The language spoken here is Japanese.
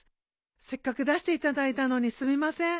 せっかく出していただいたのにすみません。